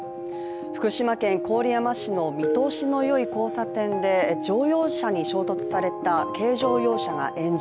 福島県郡山市の見通しのよい交差点で乗用車に衝突された軽乗用車が炎上。